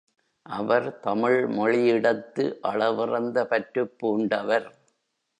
அவர் தமிழ் மொழியிடத்து அளவிறந்த பற்றுப் பூண்டவர்.